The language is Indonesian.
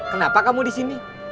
kenapa kamu disini